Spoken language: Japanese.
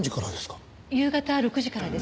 夕方６時からです。